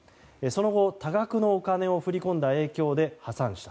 その後、多額のお金を振り込んだ影響で破産。